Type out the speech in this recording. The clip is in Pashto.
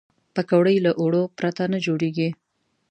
پکورې له آردو پرته نه جوړېږي